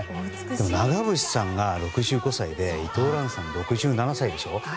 でも長渕さんが６５歳で伊藤蘭さん、６７歳でしょ。